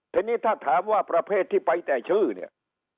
ทีนี้ถ้าถามว่าประเภทที่ไปแต่ชื่อเนี่ย